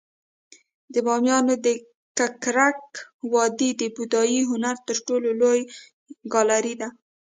د بامیانو د ککرک وادي د بودايي هنر تر ټولو لوی ګالري ده